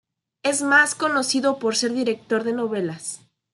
Es más conocido por ser director de novelas.